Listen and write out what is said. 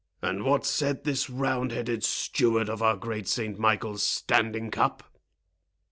"And what said this roundheaded steward of our great Saint Michael's standing cup?"